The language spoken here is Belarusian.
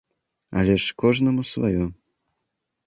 Але ж кожнаму сваё.